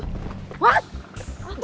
tidak tidak tidak